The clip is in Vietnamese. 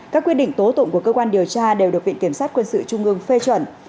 các quyết định tố tụng của cơ quan điều tra đều được viện kiểm sát quân sự trung ương phê chuẩn